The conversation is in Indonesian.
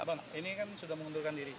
abang ini kan sudah mengundurkan diri